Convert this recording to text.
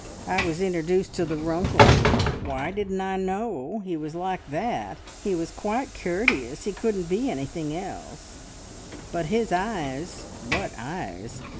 I was introduced to the `Runkle.' Why didn't I know he was like that? He was quite courteous he couldn't be anything else. But his eyes, (what eyes!)